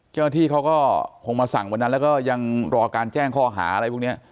เจ้าหน้าที่เขาก็คงมาสั่งวันนั้นแล้วก็ยังรอการแจ้งข้อหาอะไรพวกนี้